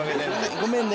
ごめんね。